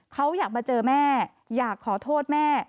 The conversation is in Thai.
เขาอยากมาเจอแม่อยากขอโทษแม่